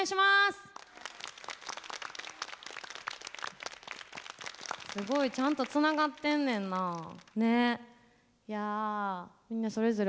すごいちゃんとつながってんねんな。ね。